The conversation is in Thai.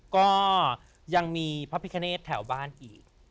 ก็ยังมีพระพิคเนธแถวบ้านอีก